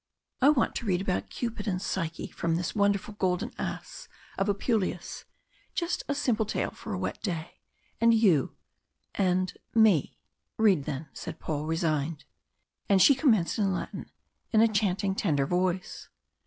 I want to read about Cupid and Psyche from this wonderful 'Golden Ass' of Apuleius just a simple tale for a wet day and you and me!" "Read then!" said Paul, resigned. And she commenced in Latin, in a chanting, tender voice.